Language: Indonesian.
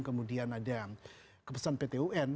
kemudian ada kepesan pt un